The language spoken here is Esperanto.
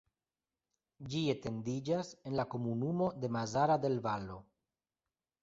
Ĝi etendiĝas en la komunumo de Mazara del Vallo.